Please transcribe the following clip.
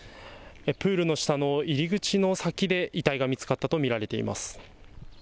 プールの下の入り口の先で遺体が見つかったと見られています。